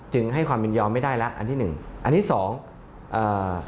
ให้ความยินยอมไม่ได้แล้วอันที่หนึ่งอันที่สองอ่า